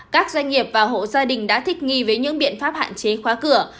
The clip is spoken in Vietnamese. các doanh nghiệp và hộ gia đình đã thích nghi với những biện pháp hạn chế khóa cửa